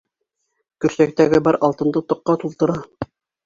Көршәктәге бар алтынды тоҡҡа тултыра.